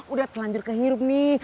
udah telanjur kehirup nih